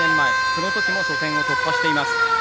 その時も初戦を突破しています。